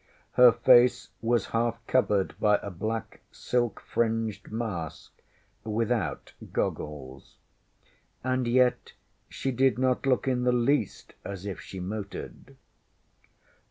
Her face was half covered by a black silk fringed mask, without goggles. And yet she did not look in the least as if she motored.